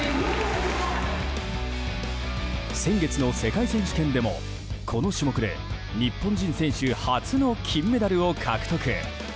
先月の世界選手権でもこの種目で日本人選手初の金メダルを獲得。